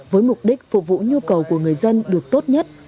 với mục đích phục vụ nhu cầu của người dân được tốt nhất